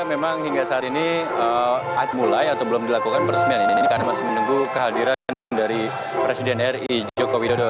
pada saat ini belum dilakukan peresmian ini karena masih menunggu kehadiran dari presiden ri joko widodo